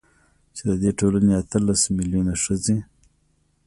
چـې د دې ټـولـنې اتـلس مـيلـيونـه ښـځـې .